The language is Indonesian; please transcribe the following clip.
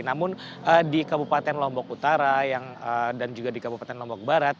namun di kabupaten lombok utara dan juga di kabupaten lombok barat